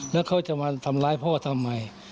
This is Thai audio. แล้วเขาจะมาทำร้ายพ่อทำไม